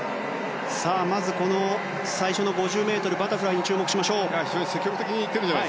まず最初の５０ｍバタフライに注目しましょう。